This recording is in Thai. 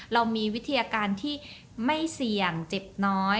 เรามีวิทยาการที่ไม่เสี่ยงเจ็บน้อย